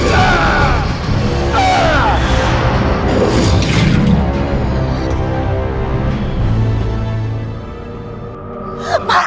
saya akan keluar